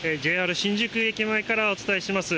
新宿駅前からお伝えします。